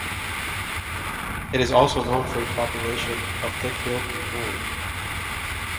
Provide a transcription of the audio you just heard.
It is also known for its population of thick-billed murre.